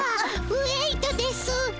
ウェイトです！